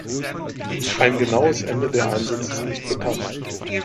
Ein genaues Ende der Einsätze ist nicht bekannt.